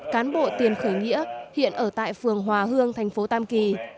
cán bộ tiền khởi nghĩa hiện ở tại phường hòa hương thành phố tam kỳ